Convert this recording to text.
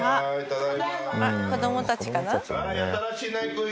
子どもたちかな。